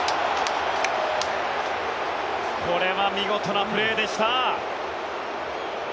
これは見事なプレーでした。